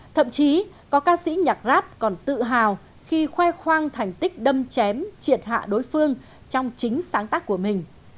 thậm chí có ca sĩ nhạc rap còn tự hào khi khoe khoang thành tích đâm chém triệt hạ đối phương trong chính sáng tác của mình